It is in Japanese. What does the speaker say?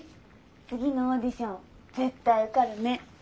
次のオーディション絶対受かるね。